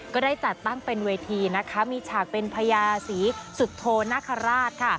ก็ได้จัดตั้งเป็นเวทีมีฉากเป็นพญาศีสุโฒนรรคาราช